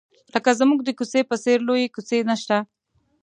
لکه زموږ د کوڅې په څېر لویې کوڅې نشته.